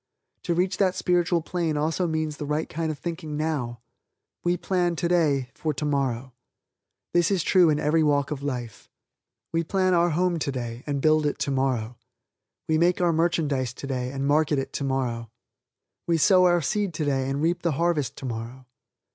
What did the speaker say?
To reach that spiritual plane also means the right kind of thinking now. We plan, today, for tomorrow. This is true in every walk of life. We plan our home today and build it tomorrow. We make our merchandise today and market it tomorrow. We sow our seed today and we reap the harvest tomorrow.